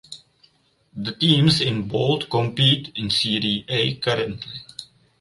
The teams in bold compete in Serie A currently.